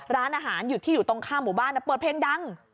ร้านอาหารอยู่ที่อยู่ตรงข้ามหมู่บ้านเปิดเพลงดัง